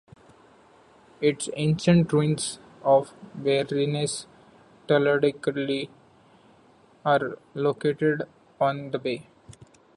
The ancient ruins of Berenice Troglodytica are located on the bay.